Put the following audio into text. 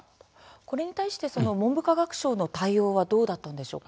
これに対して文部科学省の対応はどうだったんでしょう。